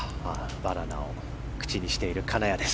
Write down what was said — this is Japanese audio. バナナを口にしている金谷です。